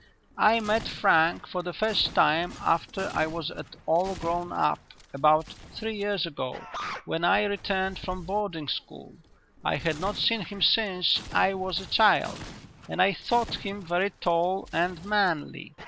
"I met Frank for the first time after I was at all grown up about three years ago, when I returned from boarding school. I had not seen him since I was a child, and I thought him very tall and manly.